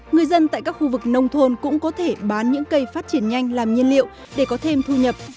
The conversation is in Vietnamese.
người dân tại các khu vực nông thôn cũng có thể bán những cây phát triển nhanh làm nhiên liệu để có thêm thu nhập